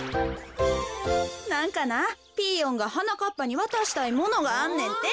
なんかなピーヨンがはなかっぱにわたしたいものがあんねんて。